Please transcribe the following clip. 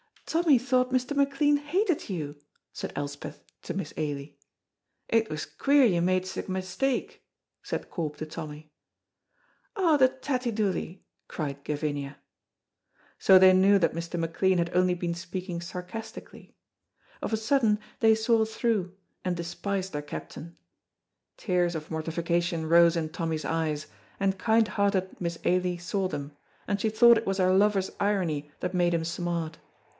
"Tommy thought Mr. McLean hated you!" said Elspeth to Miss Ailie. "It was queer you made sic a mistake!" said Corp to Tommy. "Oh, the tattie doolie!" cried Gavinia. So they knew that Mr. McLean had only been speaking sarcastically; of a sudden they saw through and despised their captain. Tears of mortification rose in Tommy's eyes, and kind hearted Miss Ailie saw them, and she thought it was her lover's irony that made him smart.